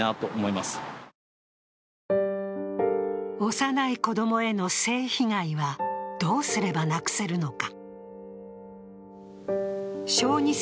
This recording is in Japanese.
幼い子供への性被害はどうすれせばなくせるのか。